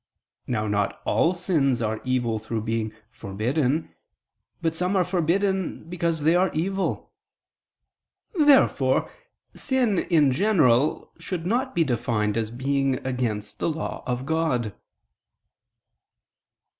Now not all sins are evil through being forbidden, but some are forbidden because they are evil. Therefore sin in general should not be defined as being against the law of God.